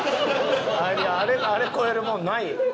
あれ超えるもんないよ。